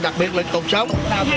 đặc biệt lịch tục sống